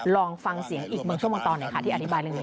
ลองฟังเสียงอีกเมืองชั่วโมงตอนไหนค่ะที่อธิบายเรื่องนี้